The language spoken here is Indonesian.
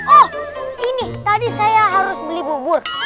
oh ini tadi saya harus beli bubur